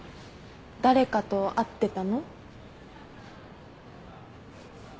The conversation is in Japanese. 誰かと会ってたの？